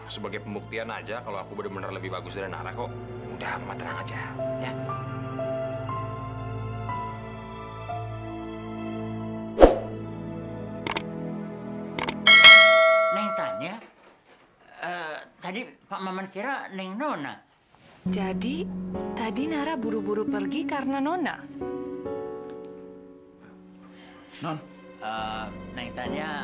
sampai jumpa di video selanjutnya